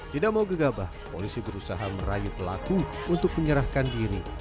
tidak mau gegabah polisi berusaha merayu pelaku untuk menyerahkan diri